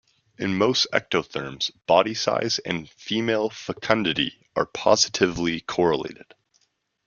In most ectotherms body size and female fecundity are positively correlated.